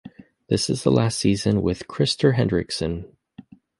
This is the last season with Krister Henriksson.